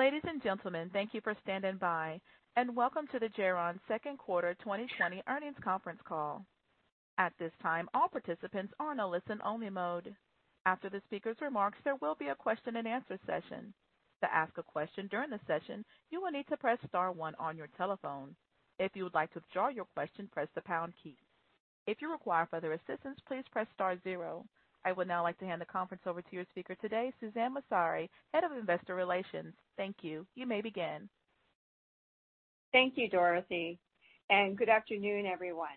Ladies and gentlemen, thank you for standing by, and welcome to the Geron second quarter 2020 earnings conference call. At this time, all participants are in a listen-only mode. After the speaker's remarks, there will be a question-and-answer session. To ask a question during the session, you will need to press star one on your telephone. If you would like to withdraw your question, press the pound key. If you require further assistance, please press star zero. I would now like to hand the conference over to your speaker today, Suzanne Massari, Head of Investor Relations. Thank you. You may begin. Thank you, Dorothy. Good afternoon, everyone.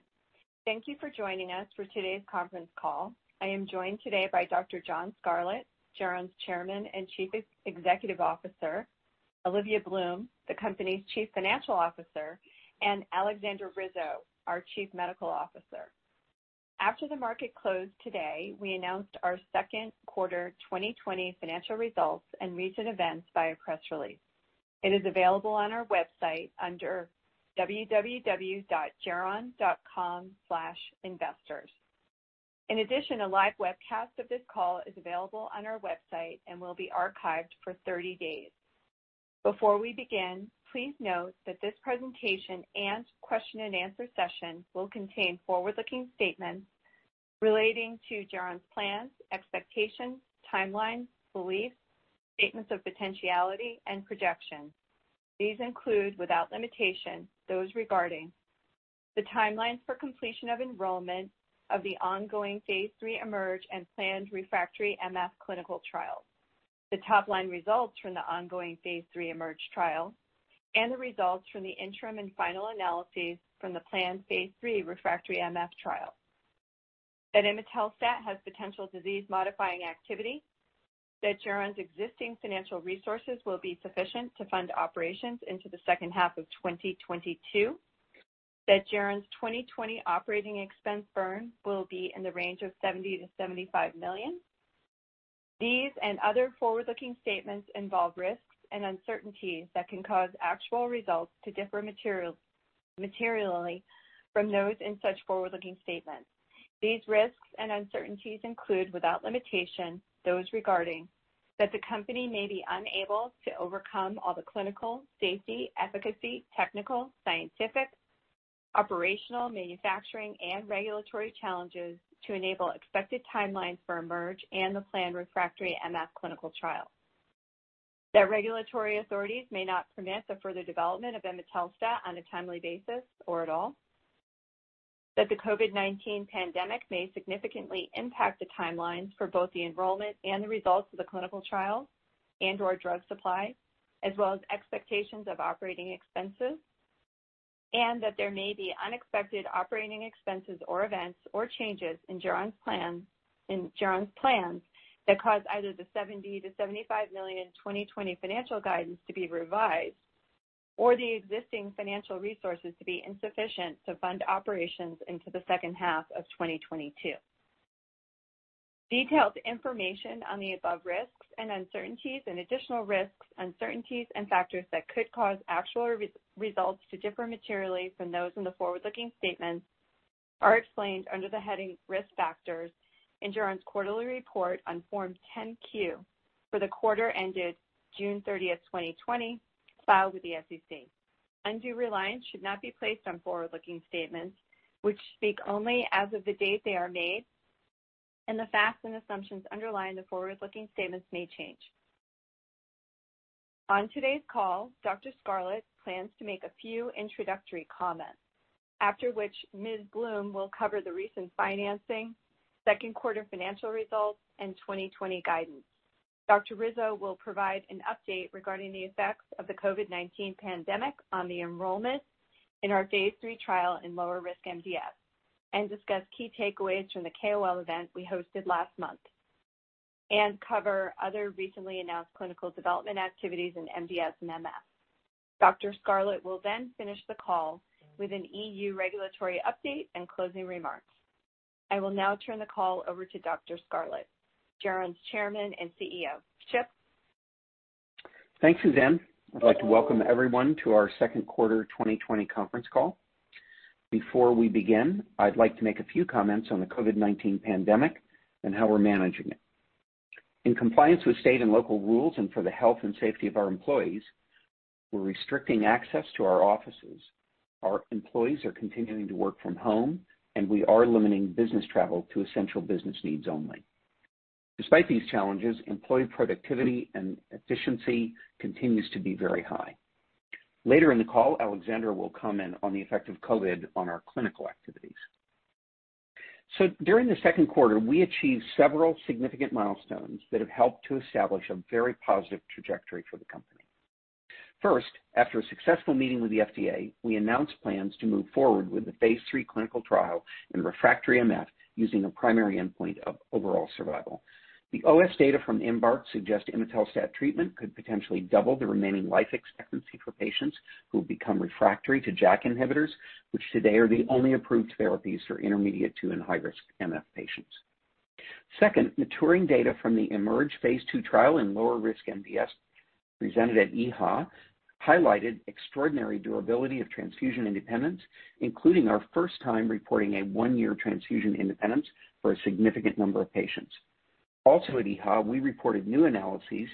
Thank you for joining us for today's conference call. I am joined today by Dr. John Scarlett, Geron's Chairman and Chief Executive Officer, Olivia Bloom, the company's Chief Financial Officer, and Aleksandra Rizo, our Chief Medical Officer. After the market closed today, we announced our second quarter 2020 financial results and recent events via press release. It is available on our website under www.geron.com/investors. In addition, a live webcast of this call is available on our website and will be archived for 30 days. Before we begin, please note that this presentation and question-and-answer session will contain forward-looking statements relating to Geron's plans, expectations, timelines, beliefs, statements of potentiality, and projections. These include, without limitation, those regarding the timelines for completion of enrollment of the ongoing phase III IMerge and planned refractory MF clinical trials, the top-line results from the ongoing phase III IMerge trial, and the results from the interim and final analyses from the planned phase III refractory MF trial. That imetelstat has potential disease-modifying activity, that Geron's existing financial resources will be sufficient to fund operations into the second half of 2022, that Geron's 2020 operating expense burn will be in the range of $70 million-$75 million. These and other forward-looking statements involve risks and uncertainties that can cause actual results to differ materially from those in such forward-looking statements. These risks and uncertainties include, without limitation, those regarding that the company may be unable to overcome all the clinical, safety, efficacy, technical, scientific, operational, manufacturing, and regulatory challenges to enable expected timelines for IMerge and the planned refractory MF clinical trial. That regulatory authorities may not permit the further development of imetelstat on a timely basis or at all. That the COVID-19 pandemic may significantly impact the timelines for both the enrollment and the results of the clinical trial and/or drug supply, as well as expectations of operating expenses. That there may be unexpected operating expenses or events or changes in Geron's plans that cause either the $70 million-$75 million 2020 financial guidance to be revised or the existing financial resources to be insufficient to fund operations into the second half of 2022. Detailed information on the above risks and uncertainties and additional risks, uncertainties, and factors that could cause actual results to differ materially from those in the forward-looking statements are explained under the heading Risk Factors, in Geron's quarterly report on Form 10-Q for the quarter ended June 30, 2020, filed with the SEC. Undue reliance should not be placed on forward-looking statements, which speak only as of the date they are made, and the facts and assumptions underlying the forward-looking statements may change. On today's call, Dr. Scarlett plans to make a few introductory comments, after which Ms. Bloom will cover the recent financing, second quarter financial results, and 2020 guidance. Dr. Rizo will provide an update regarding the effects of the COVID-19 pandemic on the enrollment in our phase III trial in lower-risk MDS and discuss key takeaways from the KOL event we hosted last month, and cover other recently announced clinical development activities in MDS and MF. Dr. Scarlett will then finish the call with an EU regulatory update and closing remarks. I will now turn the call over to Dr. Scarlett, Geron's Chairman and CEO. Chip. Thanks, Suzanne. I'd like to welcome everyone to our second quarter 2020 conference call. Before we begin, I'd like to make a few comments on the COVID-19 pandemic and how we're managing it. In compliance with state and local rules and for the health and safety of our employees, we're restricting access to our offices. Our employees are continuing to work from home, and we are limiting business travel to essential business needs only. Despite these challenges, employee productivity and efficiency continue to be very high. Later in the call, Aleksandra will comment on the effect of COVID on our clinical activities. During the second quarter, we achieved several significant milestones that have helped to establish a very positive trajectory for the company. First, after a successful meeting with the FDA, we announced plans to move forward with the phase III clinical trial in refractory MF using a primary endpoint of overall survival. The OS data from IMbark suggests imetelstat treatment could potentially double the remaining life expectancy for patients who become refractory to JAK inhibitors, which today are the only approved therapies for intermediate to high-risk MF patients. Second, maturing data from the IMerge phase II trial in lower-risk MDS presented at EHA highlighted extraordinary durability of transfusion independence, including our first time reporting a one-year transfusion independence for a significant number of patients. Also at EHA, we reported new analyses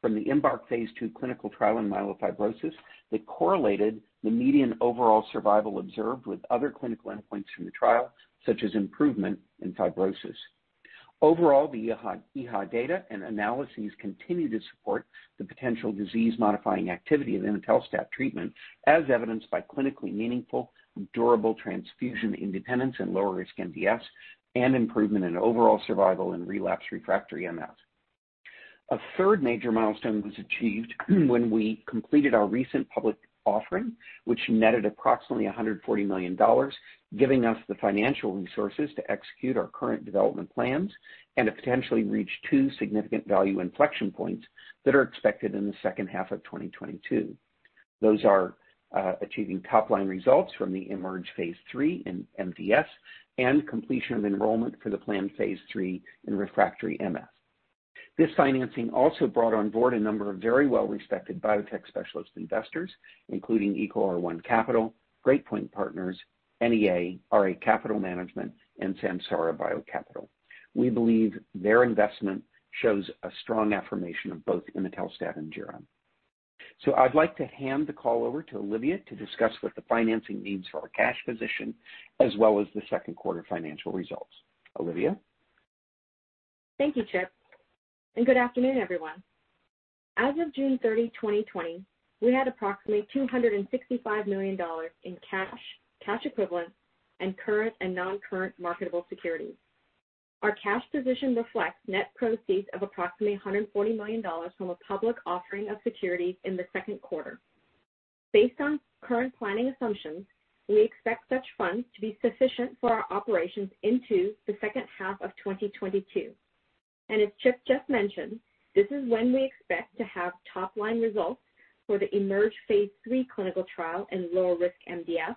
from the IMbark phase II clinical trial in myelofibrosis that correlated the median overall survival observed with other clinical endpoints in the trial, such as improvement in fibrosis. Overall, the EHA data and analyses continue to support the potential disease-modifying activity of imetelstat treatment, as evidenced by clinically meaningful, durable transfusion independence in lower-risk MDS and improvement in overall survival in relapsed refractory MF. A third major milestone was achieved when we completed our recent public offering, which netted approximately $140 million, giving us the financial resources to execute our current development plans and to potentially reach two significant value inflection points that are expected in the second half of 2022. Those are achieving top-line results from the IMerge phase III in MDS and completion of enrollment for the planned phase III in refractory MF. This financing also brought on board a number of very well-respected biotech specialist investors, including EcoR1 Capital, Great Point Partners, NEA, RA Capital Management, and Samsara BioCapital. We believe their investment shows a strong affirmation of both imetelstat and Geron. I'd like to hand the call over to Olivia to discuss what the financing needs for our cash position, as well as the second quarter financial results. Olivia? Thank you, Chip. Good afternoon, everyone. As of June 30, 2020, we had approximately $265 million in cash, cash equivalents, and current and non-current marketable securities. Our cash position reflects net proceeds of approximately $140 million from a public offering of securities in the second quarter. Based on current planning assumptions, we expect such funds to be sufficient for our operations into the second half of 2022. As Chip just mentioned, this is when we expect to have top-line results for the IMerge phase III clinical trial in lower-risk MDS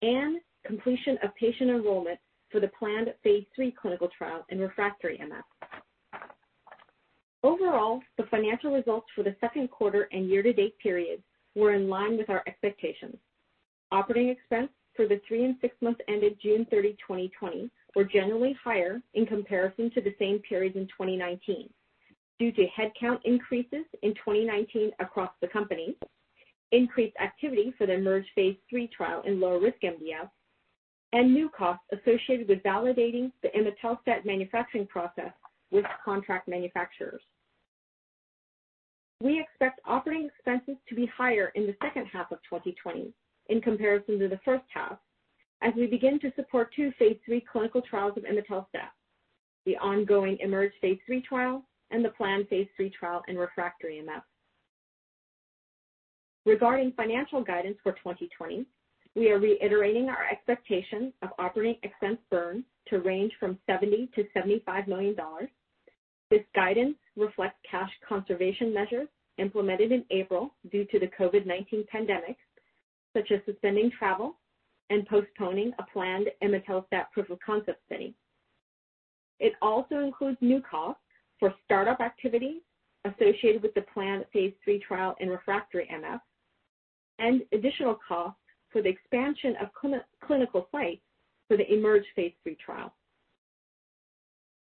and completion of patient enrollment for the planned phase III clinical trial in refractory MF. Overall, the financial results for the second quarter and year-to-date period were in line with our expectations. Operating expense for the three and six months ended June 30, 2020, were generally higher in comparison to the same period in 2019 due to headcount increases in 2019 across the company, increased activity for the IMerge phase III trial in lower-risk MDS, and new costs associated with validating the imetelstat manufacturing process with contract manufacturers. We expect operating expenses to be higher in the second half of 2020 in comparison to the first half as we begin to support two phase III clinical trials of imetelstat: the ongoing IMerge phase III trial and the planned phase III trial in refractory MF. Regarding financial guidance for 2020, we are reiterating our expectation of operating expense burn to range from $70 million-$75 million. This guidance reflects cash conservation measures implemented in April due to the COVID-19 pandemic, such as suspending travel and postponing a planned imetelstat proof of concept study. It also includes new costs for startup activity associated with the planned phase III trial in refractory MF and additional costs for the expansion of clinical sites for the IMerge phase III trial.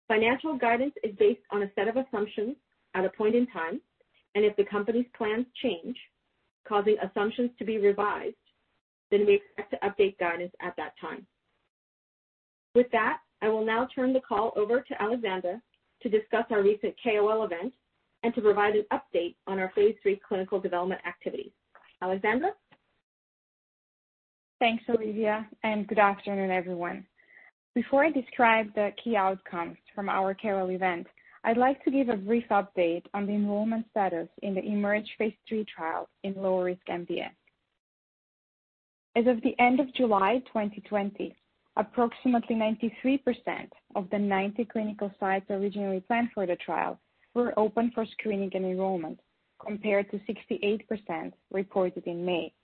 Financial guidance is based on a set of assumptions at a point in time, and if the company's plans change, causing assumptions to be revised, then we expect to update guidance at that time. With that, I will now turn the call over to Aleksandra to discuss our recent KOL event and to provide an update on our phase III clinical development activities. Aleksandra? Thanks, Olivia, and good afternoon, everyone. Before I describe the key outcomes from our KOL event, I'd like to give a brief update on the enrollment status in the IMerge phase III trial in lower-risk MDS. As of the end of July 2020, approximately 93% of the 90 clinical sites originally planned for the trial were open for screening and enrollment, compared to 68% reported in May.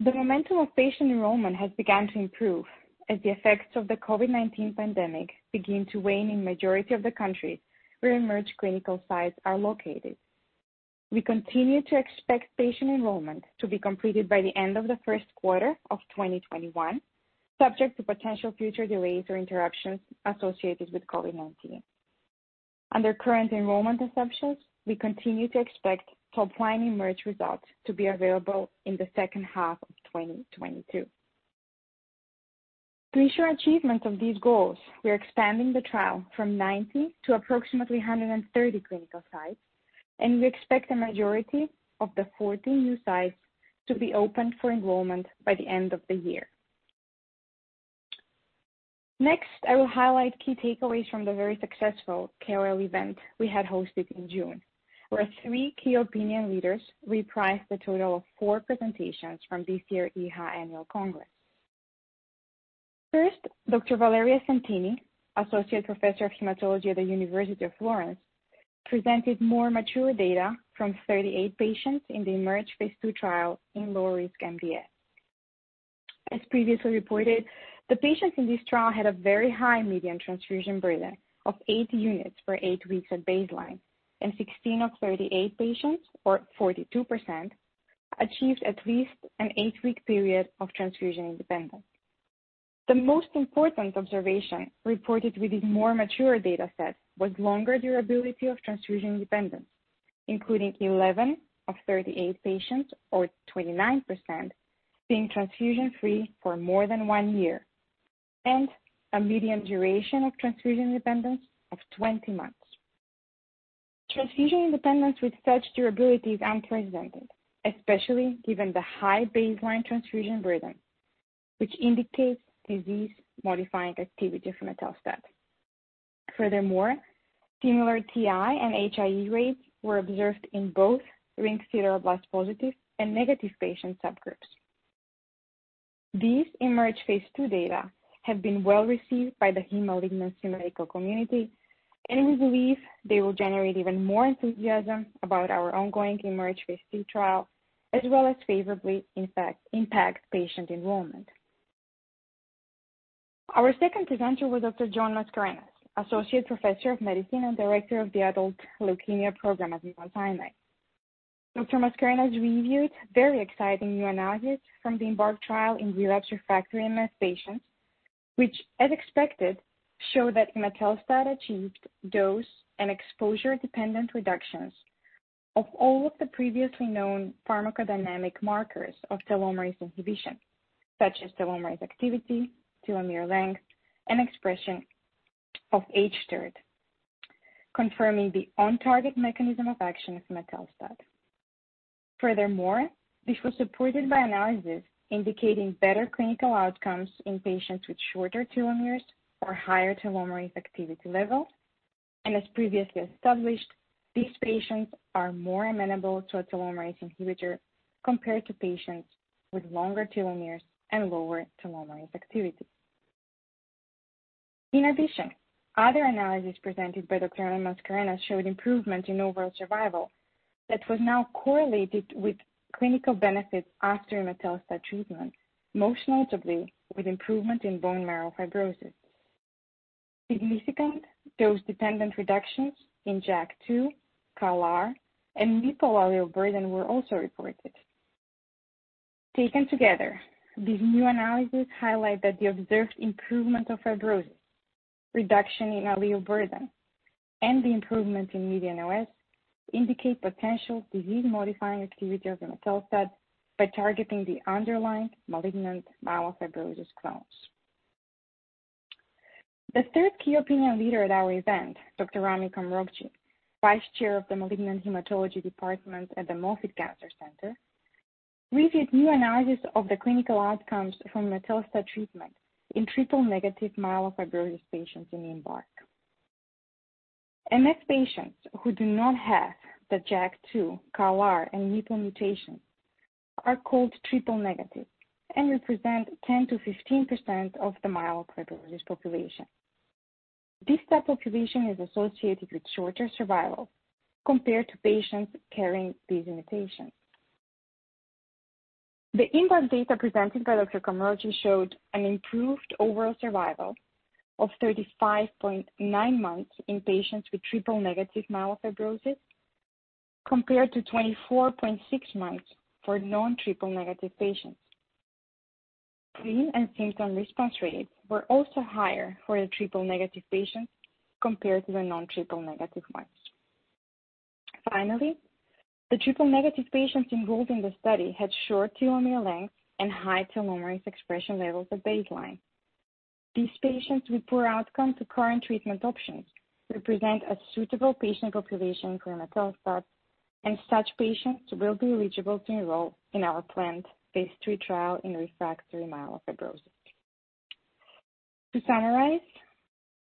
The momentum of patient enrollment has begun to improve as the effects of the COVID-19 pandemic begin to wane in the majority of the countries where IMerge clinical sites are located. We continue to expect patient enrollment to be completed by the end of the first quarter of 2021, subject to potential future delays or interruptions associated with COVID-19. Under current enrollment assumptions, we continue to expect top-line IMerge results to be available in the second half of 2022. To ensure achievement of these goals, we are expanding the trial from 90 to approximately 130 clinical sites, and we expect a majority of the 14 new sites to be open for enrollment by the end of the year. Next, I will highlight key takeaways from the very successful KOL event we had hosted in June, where three key opinion leaders reprised a total of four presentations from this year's EHA annual congress. First, Dr. Valeria Santini, Associate Professor of Hematology at the University of Florence, presented more mature data from 38 patients in the IMerge phase II trial in lower risk MDS. As previously reported, the patients in this trial had a very high median transfusion burden of eight units for eight weeks at baseline, and 16 of 38 patients, or 42%, achieved at least an eight-week period of transfusion independence. The most important observation reported with these more mature data sets was longer durability of transfusion independence, including 11 of 38 patients, or 29%, being transfusion-free for more than one year, and a median duration of transfusion independence of 20 months. Transfusion independence with such durability is unprecedented, especially given the high baseline transfusion burden, which indicates disease-modifying activity of imetelstat. Furthermore, similar TI and HIE rates were observed in both ring sideroblast-positive and negative patient subgroups. These IMerge phase II data have been well received by the hem community, and we believe they will generate even more enthusiasm about our ongoing IMerge phase II trial, as well as favorably impact patient enrollment. Our second presenter was Dr. John Mascarenhas, Associate Professor of Medicine and Director of the Adult Leukemia Program at Mount Sinai. Dr. Mascarenhas reviewed very exciting new analyses from the IMbark trial in relapsed refractory MDS patients, which, as expected, showed that imetelstat achieved dose and exposure-dependent reductions of all of the previously known pharmacodynamic markers of telomerase inhibition, such as telomerase activity, telomere length, and expression of hTERT, confirming the on-target mechanism of action of imetelstat. Furthermore, this was supported by analyses indicating better clinical outcomes in patients with shorter telomeres or higher telomerase activity levels, and as previously established, these patients are more amenable to a telomerase inhibitor compared to patients with longer telomeres and lower telomerase activity. In addition, other analyses presented by Dr. Mascarenhas showed improvement in overall survival that was now correlated with clinical benefits after imetelstat treatment, most notably with improvement in bone marrow fibrosis. Significant dose-dependent reductions in JAK2, CALR, and mutational burden were also reported. Taken together, these new analyses highlight that the observed improvement of fibrosis, reduction in allele burden, and the improvement in median OS indicate potential disease-modifying activity of imetelstat by targeting the underlying malignant myelofibrosis clones. The third key opinion leader at our event, Dr. Rami Komrokji, Vice Chair of the Malignant Hematology Department at the Moffitt Cancer Center, reviewed new analyses of the clinical outcomes from imetelstat treatment in triple-negative myelofibrosis patients in IMbark. MF patients who do not have the JAK2, CALR, and MPL mutations are called triple-negative and represent 10%-15% of the myelofibrosis population. This subpopulation is associated with shorter survival compared to patients carrying these mutations. The IMbark data presented by Dr. Komrokji showed an improved overall survival of 35.9 months in patients with triple-negative myelofibrosis compared to 24.6 months for non-triple-negative patients. Pain and symptom response rates were also higher for the triple-negative patients compared to the non-triple-negative ones. Finally, the triple-negative patients involved in the study had short telomere lengths and high telomerase expression levels at baseline. These patients with poor outcomes to current treatment options represent a suitable patient population for imetelstat, and such patients will be eligible to enroll in our planned phase III trial in refractory myelofibrosis. To summarize,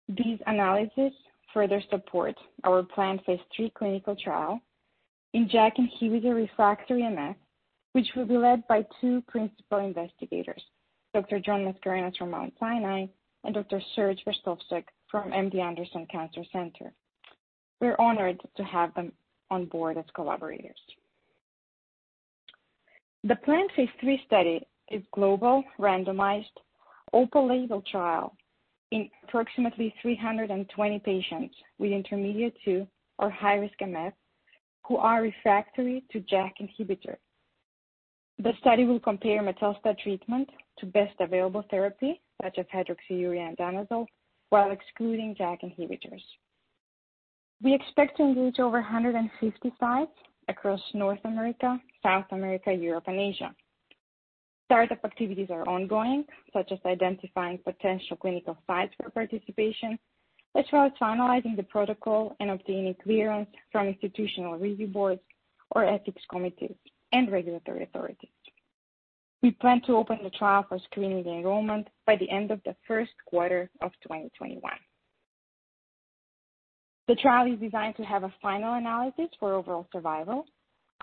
these analyses further support our planned phase III clinical trial in JAK inhibitor refractory MF, which will be led by two principal investigators, Dr. John Mascarenhas from Mount Sinai and Dr. Serge Verstovsek from MD Anderson Cancer Center. We're honored to have them on board as collaborators. The planned phase III study is a global, randomized, open-label trial in approximately 320 patients with intermediate to or high-risk MF who are refractory to JAK inhibitor. The study will compare imetelstat treatment to best available therapy, such as hydroxyurea and danazol, while excluding JAK inhibitors. We expect to engage over 150 sites across North America, South America, Europe, and Asia. Startup activities are ongoing, such as identifying potential clinical sites for participation, as well as finalizing the protocol and obtaining clearance from institutional review boards or ethics committees and regulatory authorities. We plan to open the trial for screening and enrollment by the end of the first quarter of 2021. The trial is designed to have a final analysis for overall survival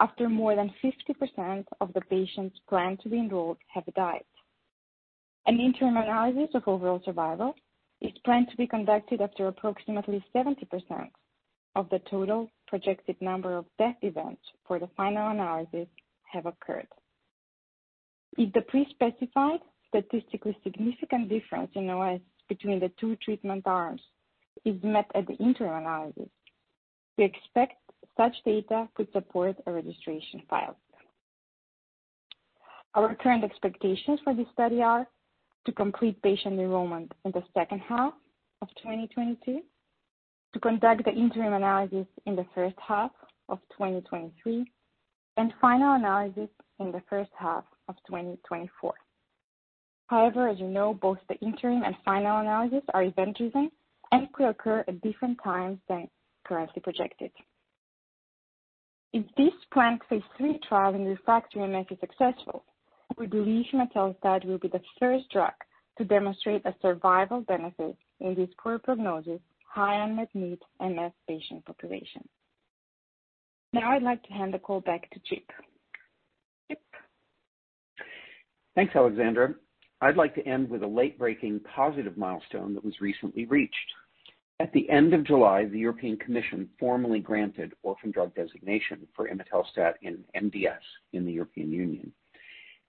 after more than 50% of the patients planned to be enrolled have died. An interim analysis of overall survival is planned to be conducted after approximately 70% of the total projected number of death events for the final analysis have occurred. If the pre-specified statistically significant difference in OS between the two treatment arms is met at the interim analysis, we expect such data could support a registration file. Our current expectations for this study are to complete patient enrollment in the second half of 2022, to conduct the interim analysis in the first half of 2023, and final analysis in the first half of 2024. However, as you know, both the interim and final analysis are event-driven and could occur at different times than currently projected. If this planned phase III trial in refractory MF is successful, we believe imetelstat will be the first drug to demonstrate a survival benefit in this poor prognosis high unmet need MF patient population. Now I'd like to hand the call back to Chip. Thanks, Aleksandra. I'd like to end with a late-breaking positive milestone that was recently reached. At the end of July, the European Commission formally granted orphan drug designation for imetelstat in MDS in the European Union.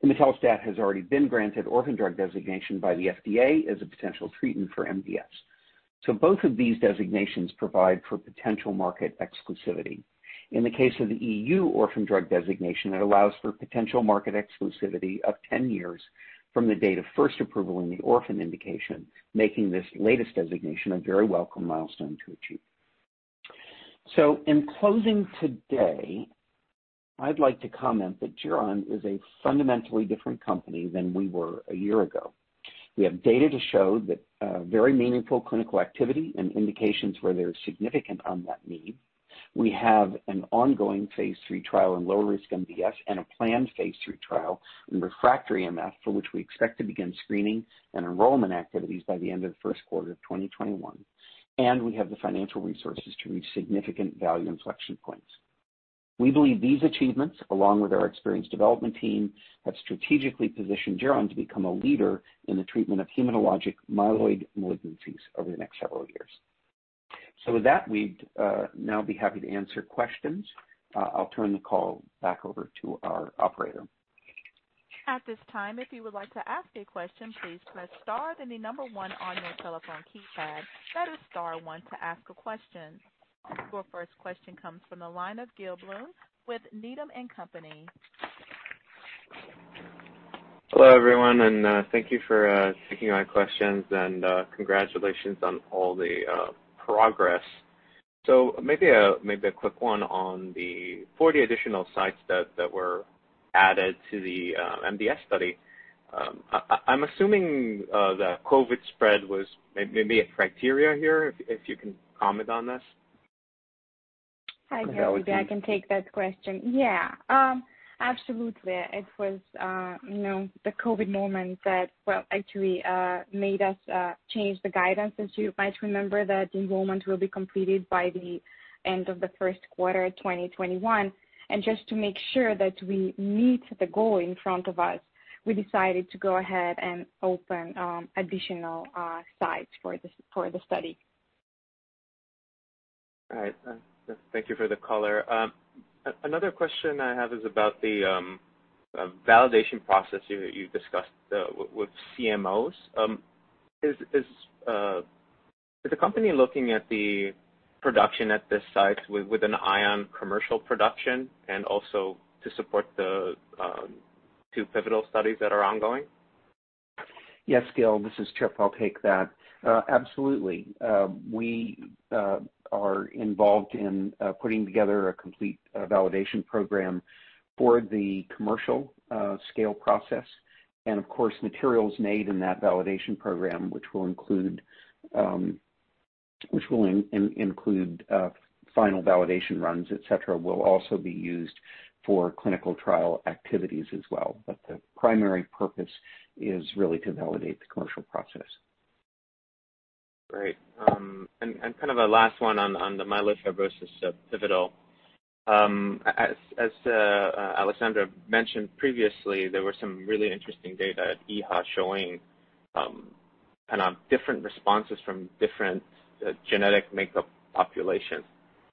Imetelstat has already been granted orphan drug designation by the FDA as a potential treatment for MDS. Both of these designations provide for potential market exclusivity. In the case of the EU orphan drug designation, it allows for potential market exclusivity of 10 years from the date of first approval in the orphan indication, making this latest designation a very welcome milestone to achieve. In closing today, I'd like to comment that Geron is a fundamentally different company than we were a year ago. We have data to show that very meaningful clinical activity and indications where there is significant unmet need. We have an ongoing phase III trial in lower-risk MDS and a planned phase III trial in refractory MF for which we expect to begin screening and enrollment activities by the end of the first quarter of 2021. We have the financial resources to reach significant value inflection points. We believe these achievements, along with our experienced development team, have strategically positioned Geron to become a leader in the treatment of hematologic myeloid malignancies over the next several years. With that, we'd now be happy to answer questions. I'll turn the call back over to our operator. At this time, if you would like to ask a question, please press star then the number one on your telephone keypad. That is star one to ask a question. Your first question comes from the line of Gil Blum with Needham & Company. Hello, everyone, and thank you for taking my questions, and congratulations on all the progress. Maybe a quick one on the 40 additional sites that were added to the MDS study. I'm assuming that COVID spread was maybe a criteria here, if you can comment on this. Hi, Gil. I can take that question. Yeah, absolutely. It was the COVID moment that, actually made us change the guidance. As you might remember, the enrollment will be completed by the end of the first quarter of 2021. Just to make sure that we meet the goal in front of us, we decided to go ahead and open additional sites for the study. All right. Thank you for the color. Another question I have is about the validation process you discussed with CMOs. Is the company looking at the production at this site with an eye on commercial production and also to support the two pivotal studies that are ongoing? Yes, Gil, this is Chip. I'll take that. Absolutely. We are involved in putting together a complete validation program for the commercial scale process. Of course, materials made in that validation program, which will include final validation runs, etc., will also be used for clinical trial activities as well. The primary purpose is really to validate the commercial process. Great. Kind of a last one on the myelofibrosis pivotal. As Aleksandra mentioned previously, there were some really interesting data at EHA showing kind of different responses from different genetic makeup populations.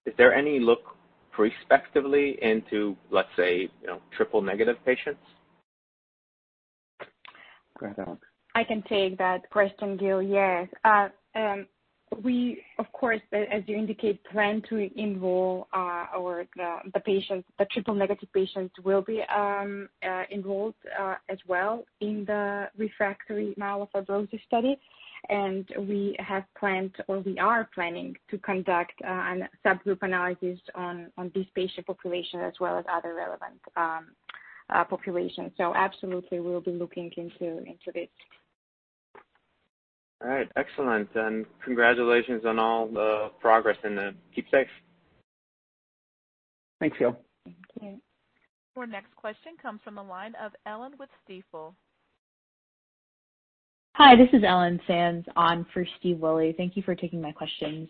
Is there any look prospectively into, let's say, triple-negative patients? Go ahead, Alex. I can take that question, Gil. Yes. We, of course, as you indicate, plan to involve the triple-negative patients will be involved as well in the refractory myelofibrosis study. We have planned, or we are planning, to conduct a subgroup analysis on this patient population as well as other relevant populations. Absolutely, we'll be looking into this. All right. Excellent. Congratulations on all the progress, and keep safe. Thanks, Gil. Thank you. Our next question comes from the line of Ellen with Stifel. Hi, this is Ellen Sands on for Steve Willey. Thank you for taking my questions.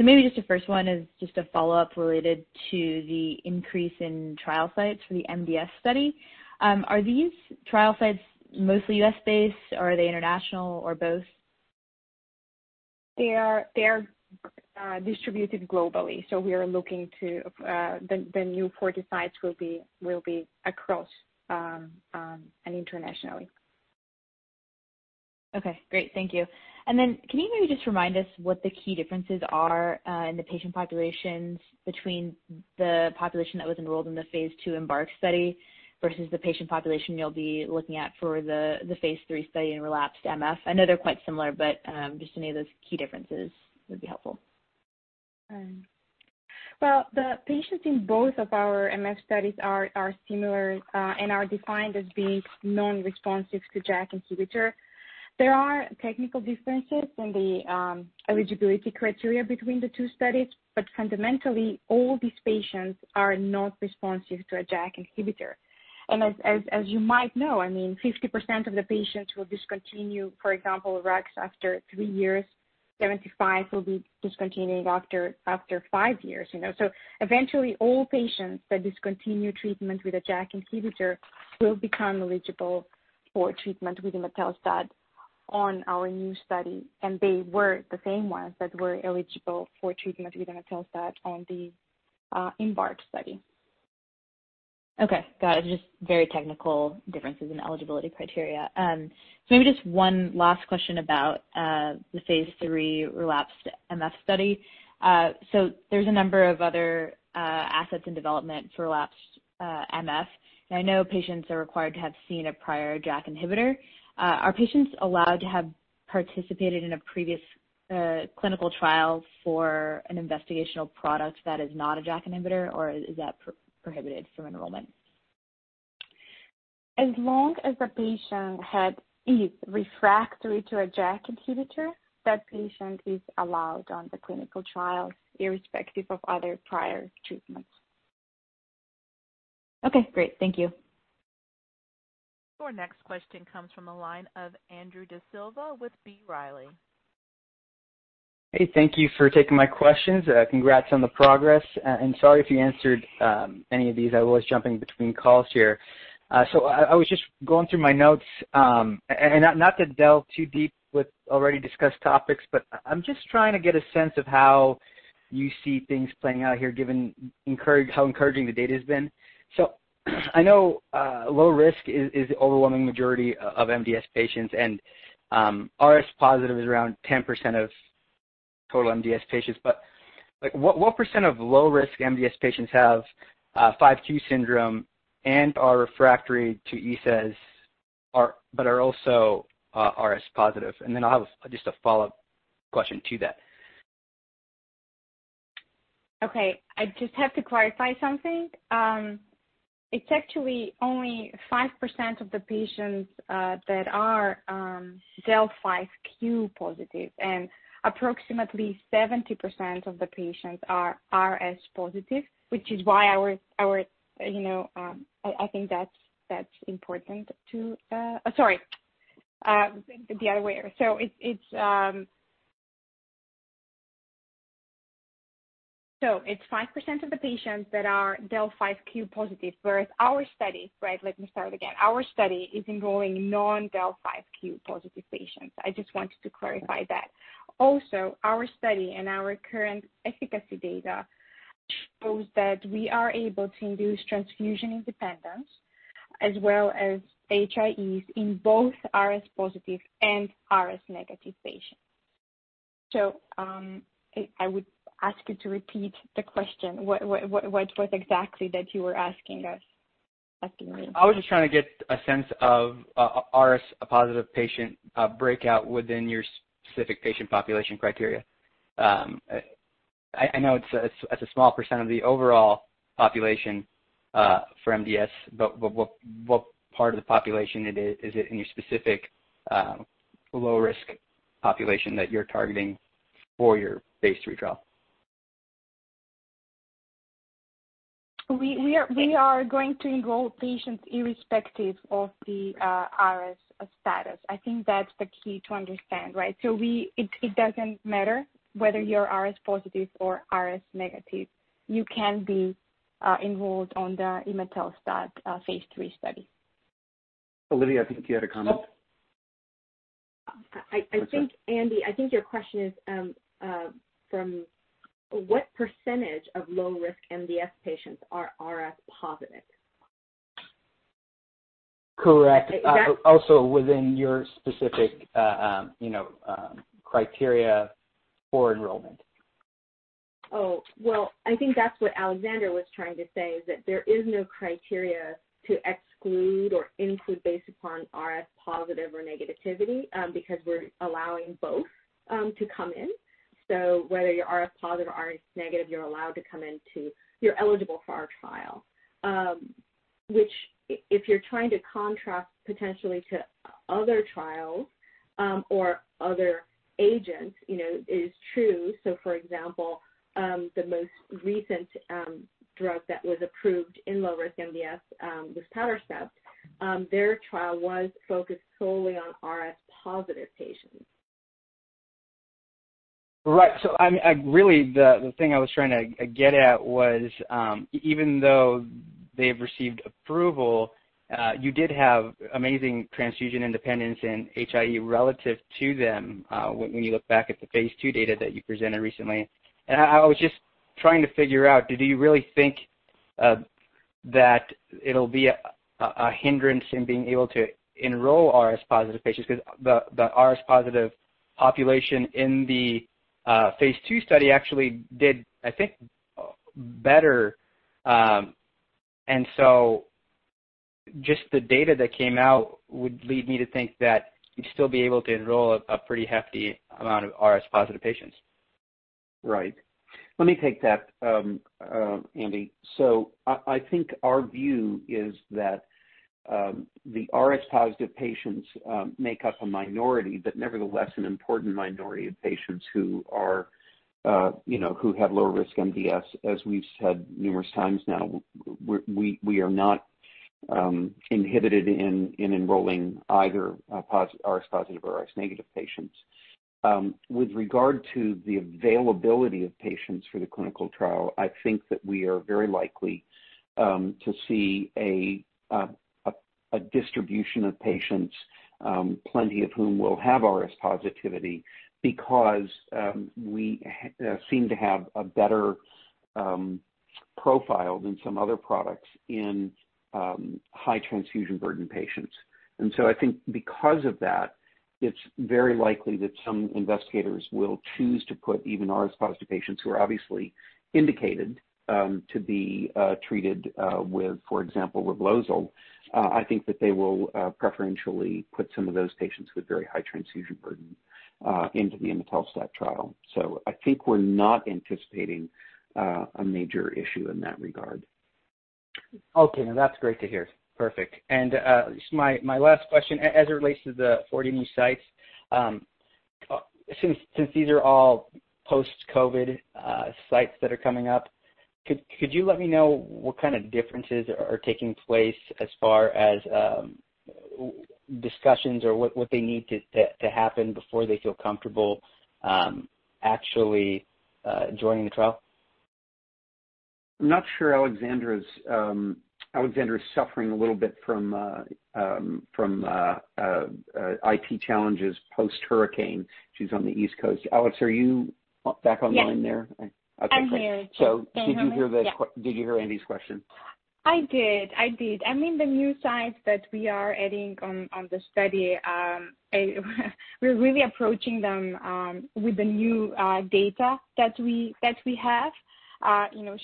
Maybe just the first one is just a follow-up related to the increase in trial sites for the MDS study. Are these trial sites mostly U.S.-based, or are they international, or both? They are distributed globally. We are looking to the new 40 sites will be across and internationally. Okay. Great. Thank you. Can you maybe just remind us what the key differences are in the patient populations between the population that was enrolled in the phase II IMbark study versus the patient population you'll be looking at for the phase III study in relapsed MS? I know they're quite similar, but just any of those key differences would be helpful. The patients in both of our MF studies are similar and are defined as being non-responsive to JAK inhibitor. There are technical differences in the eligibility criteria between the two studies, but fundamentally, all these patients are not responsive to a JAK inhibitor. As you might know, I mean, 50% of the patients will discontinue, for example, JAKs after three years. 75% will be discontinuing after five years. Eventually, all patients that discontinue treatment with a JAK inhibitor will become eligible for treatment with imetelstat on our new study. They were the same ones that were eligible for treatment with imetelstat on the IMbark study. Okay. Got it. Just very technical differences in eligibility criteria. Maybe just one last question about the phase III relapsed MS study. There are a number of other assets in development for relapsed MS. I know patients are required to have seen a prior JAK inhibitor. Are patients allowed to have participated in a previous clinical trial for an investigational product that is not a JAK inhibitor, or is that prohibited from enrollment? As long as the patient is refractory to a JAK inhibitor, that patient is allowed on the clinical trials, irrespective of other prior treatments. Okay. Great. Thank you. Our next question comes from the line of Andrew D'Silva with B. Riley. Hey, thank you for taking my questions. Congrats on the progress. Sorry if you answered any of these. I was jumping between calls here. I was just going through my notes, and not to delve too deep with already discussed topics, but I'm just trying to get a sense of how you see things playing out here, given how encouraging the data has been. I know low risk is the overwhelming majority of MDS patients, and RS positive is around 10% of total MDS patients. What percent of low risk MDS patients have 5q syndrome and are refractory to ESAs but are also RS positive? I have just a follow-up question to that. Okay. I just have to clarify something. It's actually only 5% of the patients that are del(5q) positive, and approximately 70% of the patients are RS positive, which is why I think that's important to—sorry, the other way. It's 5% of the patients that are del(5q) positive, whereas our study—right, let me start again. Our study is enrolling non-del(5q) positive patients. I just wanted to clarify that. Also, our study and our current efficacy data show that we are able to induce transfusion independence as well as HIEs in both RS positive and RS negative patients. I would ask you to repeat the question, what was exactly that you were asking us? I was just trying to get a sense of RS positive patient breakout within your specific patient population criteria. I know it's a small percent of the overall population for MDS, but what part of the population is it in your specific low risk population that you're targeting for your phase III trial? We are going to enroll patients irrespective of the RS status. I think that's the key to understand, right? So it doesn't matter whether you're RS positive or RS negative. You can be enrolled on the imetelstat phase III study. Olivia, I think you had a comment. I think, Andy, I think your question is from what percentage of low-risk MDS patients are RS positive? Correct. Also within your specific criteria for enrollment. Oh, I think that's what Aleksandra was trying to say, is that there is no criteria to exclude or include based upon RS positive or negativity because we're allowing both to come in. So whether you're RS positive or RS negative, you're allowed to come in to—you're eligible for our trial. Which, if you're trying to contrast potentially to other trials or other agents, it is true. For example, the most recent drug that was approved in low risk MDS was luspatercept. Their trial was focused solely on RS positive patients. Right. Really, the thing I was trying to get at was, even though they've received approval, you did have amazing transfusion independence and HIE relative to them when you look back at the phase II data that you presented recently. I was just trying to figure out, do you really think that it'll be a hindrance in being able to enroll RS positive patients? Because the RS positive population in the phase II study actually did, I think, better. Just the data that came out would lead me to think that you'd still be able to enroll a pretty hefty amount of RS positive patients. Right. Let me take that, Andy. I think our view is that the RS positive patients make up a minority, but nevertheless, an important minority of patients who have low risk MDS. As we've said numerous times now, we are not inhibited in enrolling either RS positive or RS negative patients. With regard to the availability of patients for the clinical trial, I think that we are very likely to see a distribution of patients, plenty of whom will have RS positivity because we seem to have a better profile than some other products in high transfusion burden patients. I think because of that, it's very likely that some investigators will choose to put even RS positive patients who are obviously indicated to be treated with, for example, Reblozyl. I think that they will preferentially put some of those patients with very high transfusion burden into the imetelstat trial. I think we're not anticipating a major issue in that regard. Okay. That's great to hear. Perfect. My last question as it relates to the 40 new sites. Since these are all post-COVID sites that are coming up, could you let me know what kind of differences are taking place as far as discussions or what they need to happen before they feel comfortable actually joining the trial? I'm not sure Aleksandra is suffering a little bit from IT challenges post-hurricane. She's on the East Coast. Alex, are you back online there? I'm here. Did you hear Andy's question? I did. I did. I mean, the new sites that we are adding on the study, we're really approaching them with the new data that we have,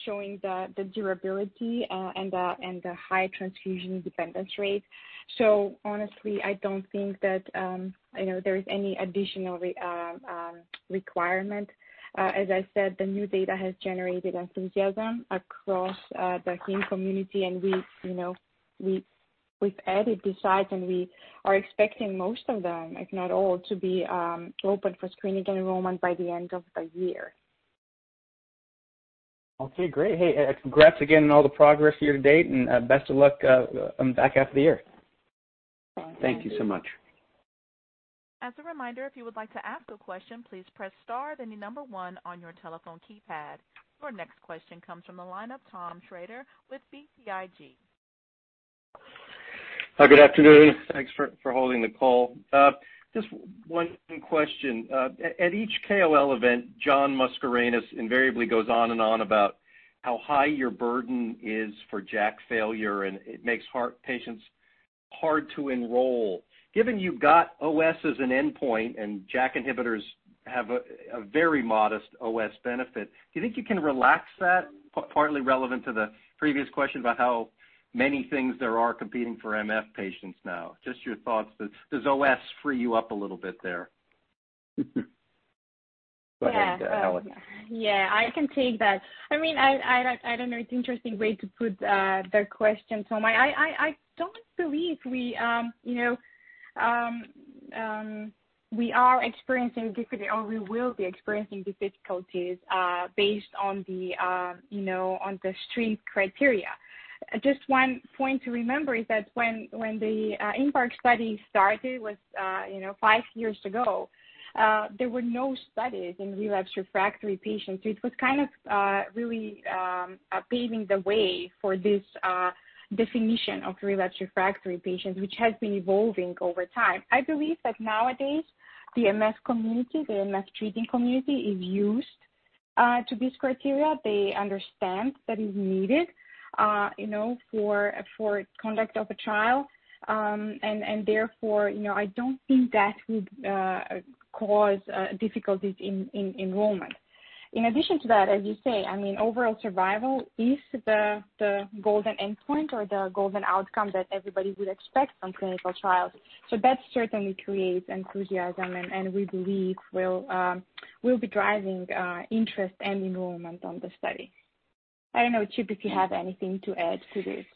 showing the durability and the high transfusion dependence rate. Honestly, I don't think that there is any additional requirement. As I said, the new data has generated enthusiasm across the hem community, and we've added the sites, and we are expecting most of them, if not all, to be open for screening enrollment by the end of the year. Okay. Great. Hey, congrats again on all the progress here to date, and best of luck back after the year. Thank you so much. As a reminder, if you would like to ask a question, please press star then the number one on your telephone keypad. Your next question comes from the line of Tom Shrader with BTIG. Good afternoon. Thanks for holding the call. Just one question. At each KOL event, John Mascarenhas invariably goes on and on about how high your burden is for JAK failure, and it makes patients hard to enroll. Given you've got OS as an endpoint and JAK inhibitors have a very modest OS benefit, do you think you can relax that? Partly relevant to the previous question about how many things there are competing for MF patients now. Just your thoughts. Does OS free you up a little bit there? Go ahead, Alex. Yeah. I can take that. I mean, I don't know. It's an interesting way to put the question, Tom. I don't believe we are experiencing difficulty or we will be experiencing difficulties based on the strength criteria. Just one point to remember is that when the IMbark study started was five years ago, there were no studies in relapsed refractory patients. So it was kind of really paving the way for this definition of relapsed refractory patients, which has been evolving over time. I believe that nowadays, the MS community, the MS treating community, is used to these criteria. They understand that it's needed for conduct of a trial. Therefore, I don't think that would cause difficulties in enrollment. In addition to that, as you say, I mean, overall survival is the golden endpoint or the golden outcome that everybody would expect from clinical trials. That certainly creates enthusiasm, and we believe will be driving interest and enrollment on the study. I don't know, Chip, if you have anything to add to this.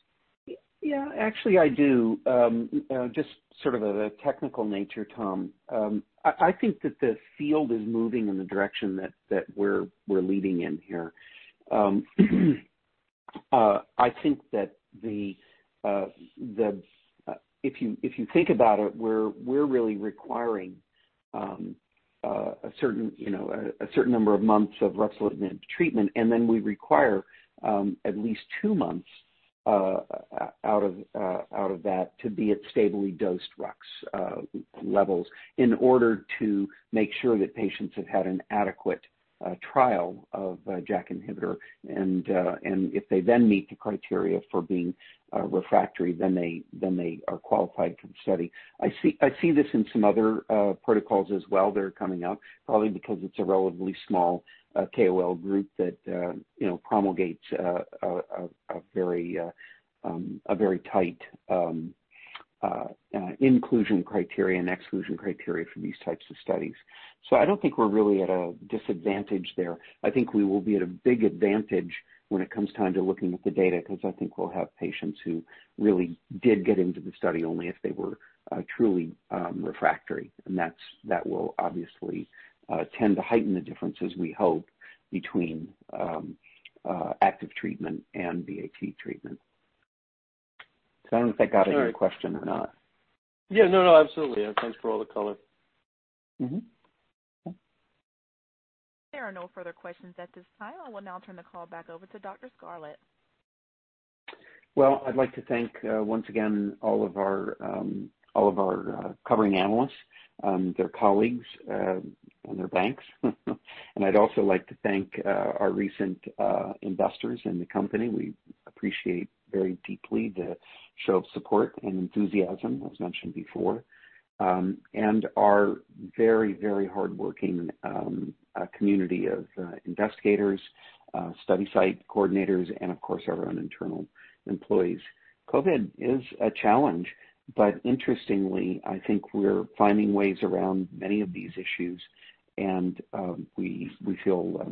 Yeah. Actually, I do. Just sort of a technical nature, Tom. I think that the field is moving in the direction that we're leading in here. I think that if you think about it, we're really requiring a certain number of months of ruxolitinib treatment, and then we require at least two months out of that to be at stably dosed rux levels in order to make sure that patients have had an adequate trial of JAK inhibitor. If they then meet the criteria for being refractory, then they are qualified for the study. I see this in some other protocols as well that are coming up, probably because it's a relatively small KOL group that promulgates a very tight inclusion criteria and exclusion criteria for these types of studies. I don't think we're really at a disadvantage there. I think we will be at a big advantage when it comes time to looking at the data because I think we'll have patients who really did get into the study only if they were truly refractory. That will obviously tend to heighten the differences, we hope, between active treatment and BAT treatment. I don't know if that got into your question or not. Yeah. No, absolutely. Thanks for all the color. There are no further questions at this time. I will now turn the call back over to Dr. Scarlett. I would like to thank once again all of our covering analysts, their colleagues, and their banks. I would also like to thank our recent investors in the company. We appreciate very deeply the show of support and enthusiasm, as mentioned before, and our very, very hardworking community of investigators, study site coordinators, and of course, our own internal employees. COVID is a challenge, but interestingly, I think we are finding ways around many of these issues, and we feel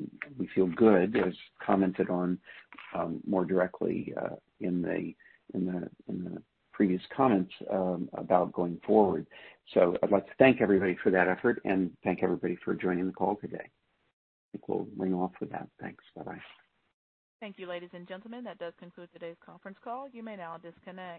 good, as commented on more directly in the previous comments about going forward. I would like to thank everybody for that effort and thank everybody for joining the call today. I think we will ring off with that. Thanks. Bye-bye. Thank you, ladies and gentlemen. That does conclude today's conference call. You may now disconnect.